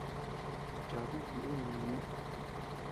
Chakun jinùy núni nioʼö.